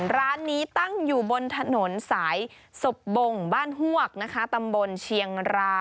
ร้านนี้ตั้งอยู่บนถนนสายสบงบ้านฮวกนะคะตำบลเชียงรา